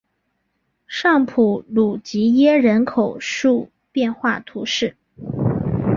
尚普鲁吉耶人口变化图示